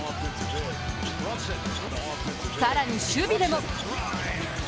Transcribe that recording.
更に守備でも！